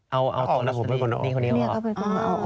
เอาออกแล้วผมเป็นคนเอาออก